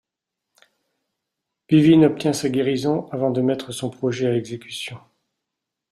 Wivine obtient sa guérison avant de mettre son projet à exécution.